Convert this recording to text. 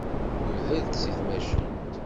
Tuder-d seg tmacint.